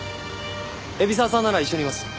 海老沢さんなら一緒にいます。